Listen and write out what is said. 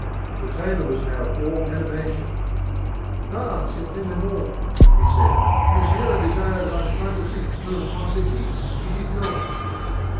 The tailor was now all animation. "Ah, certainement," he said, "monsieur desires a fantasy, une fantaisie, is it not?"